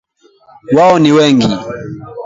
Wao ni wengi